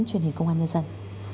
truyền hình công an nhân dân